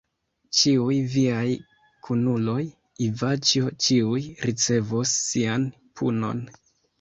Ĉiuj viaj kunuloj, Ivaĉjo, ĉiuj ricevos sian punon.